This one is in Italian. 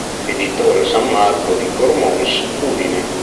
Editore San Marco di Cormons, Udine"